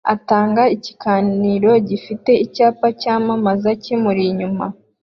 atanga ikiganiro gifite icyapa cyamamaza kimuri inyuma